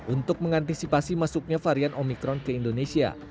untuk mengantisipasi masuknya varian omikron ke indonesia